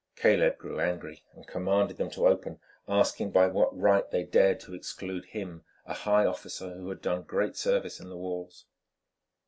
Caleb grew angry and commanded them to open, asking by what right they dared to exclude him, a high officer who had done great service in the wars.